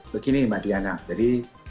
begini mbak diana jadi